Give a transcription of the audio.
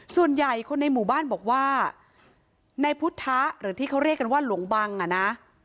ส่วนใหญ่คนในหมู่บ้านบอกว่าในพุทธหรือที่เขาเรียกกันว่าหลวงบังอ่ะนะ